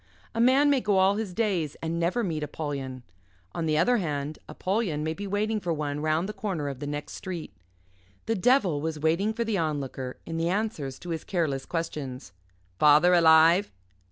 A man may go all his days and never meet Apollyon. On the other hand, Apollyon may be waiting for one round the corner of the next street. The devil was waiting for the Onlooker in the answers to his careless questions "Father alive?